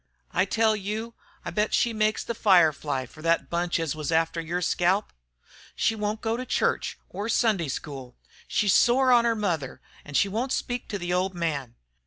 I tell you, I bet she makes the fire fly for thet bunch as was after yer scalp. She won't go to church, or Sunday school. She's sore on her mother an' won't speak to the old man.